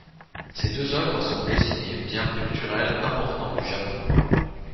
Ces deux œuvres sont désignées bien culturel important du Japon.